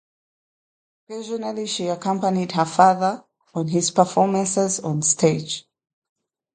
Occasionally she accompanied her father on his performances on stage.